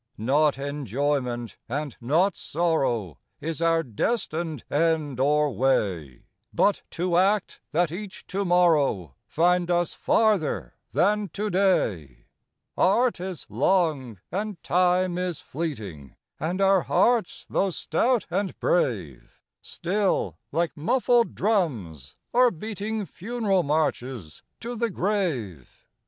VOICES OF THE NIGHT. Not enjoyment, and not sorrow, Is our destined end or way ; But to act, that each to morrow Find us farther than to day. Art is long, and Time is fleeting, And our hearts, though stout and brave, Still, like muffled drums, are beating Funeral marches to the grave.